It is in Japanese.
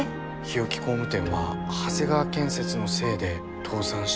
日置工務店は長谷川建設のせいで倒産したのかも。